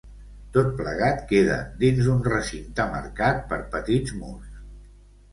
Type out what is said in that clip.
Tot plegat queda dins d'un recinte marcat per petits murs.